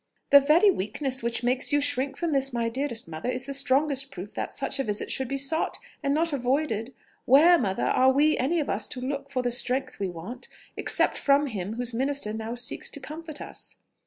"The very weakness which makes you shrink from this, my dearest mother, is the strongest proof that such a visit should be sought, and not avoided. Where, mother, are we any of us to look for the strength we want, except from Him whose minister now seeks to comfort us?"